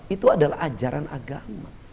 itu adalah ajaran agama